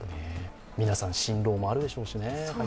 皆さん、心労もあるでしょうしね